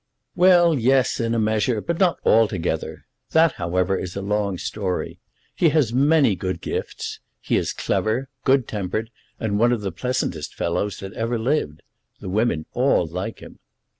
"Well, yes, in a measure; but not altogether. That, however, is a long story. He has many good gifts. He is clever, good tempered, and one of the pleasantest fellows that ever lived. The women all like him."